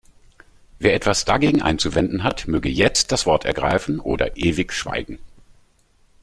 Wer etwas dagegen einzuwenden hat, möge jetzt das Wort ergreifen oder ewig schweigen.